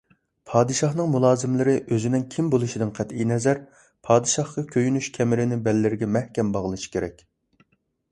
پادىشاھنىڭ مۇلازىملىرى ئۆزىنىڭ كىم بولۇشىدىن قەتئىينەزەر، پادىشاھقا كۆيۈنۈش كەمىرىنى بەللىرىگە مەھكەم باغلىشى كېرەك.